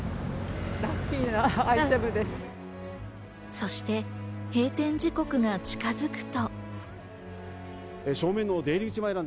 そして閉店時刻が近づくと。